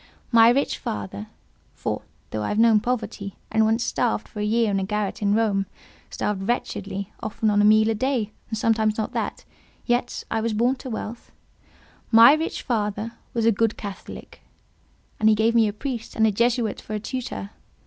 My rich father (for, though I have known poverty, and once starved for a year in a garret in Rome—starved wretchedly, often on a meal a day, and sometimes not that—yet I was born to wealth)—my rich father was a good Catholic; and he gave me a priest and a Jesuit for a tutor.